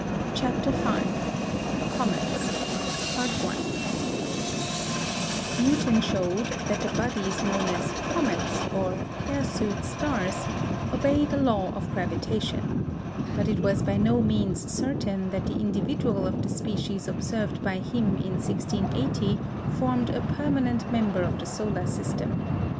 ] CHAPTER V COMETS Newton showed that the bodies known as "comets," or hirsute stars, obey the law of gravitation; but it was by no means certain that the individual of the species observed by him in 1680 formed a permanent member of the solar system.